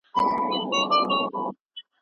که کار په سمه طریقه وسي نو تېروتنې به نه وي.